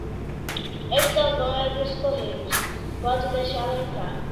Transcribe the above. Esta van é dos correios. Pode deixá-la entrar.